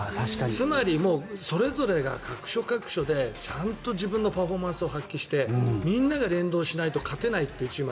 つまり、それぞれが各所各所でちゃんと自分のパフォーマンスを発揮してみんなで連動しないと勝てないというチーム。